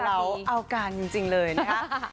หล่อเราเอากันจริงเลยนะครับ